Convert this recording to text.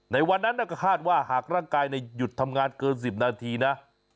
ในวันนั้นก็คาดว่าหากร่างกายหยุดทำงานเกิน๑๐นาทีนะ